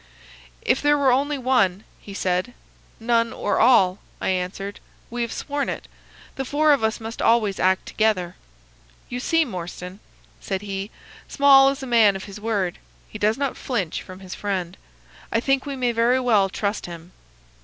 "'If there were only one,' he said. "'None or all,' I answered. 'We have sworn it. The four of us must always act together.' "'You see, Morstan,' said he, 'Small is a man of his word. He does not flinch from his friend. I think we may very well trust him.